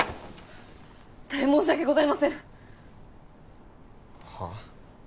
大変申し訳ございませんはっ？